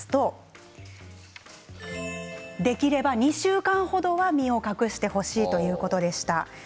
できれば２週間程は身を隠してほしいということでした。